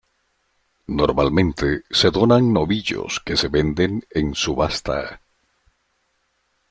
Normalmente se donan novillos que se venden en subasta.